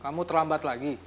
kamu terlambat lagi